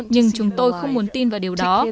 nhưng chúng tôi không muốn tin vào điều đó